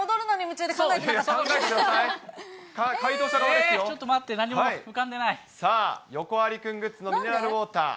ちょっと待って、なんにも浮さあ、ヨコアリくんグッズのミネラルウォーター。